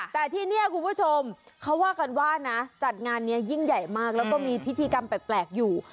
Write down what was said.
แต่ที่นี่คุณผู้ชมเขาว่ากันว่านะจัดงานนี้ยิ่งใหญ่มากแล้วก็มีพิธีกรรมแปลกอยู่